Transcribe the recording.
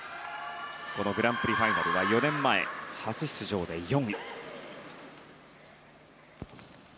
このグランプリファイナルは４年前、初出場で４位。